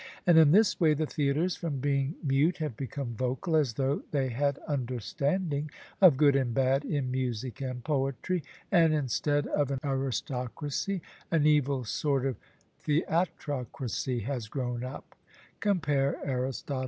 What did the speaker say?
And in this way the theatres from being mute have become vocal, as though they had understanding of good and bad in music and poetry; and instead of an aristocracy, an evil sort of theatrocracy has grown up (compare Arist.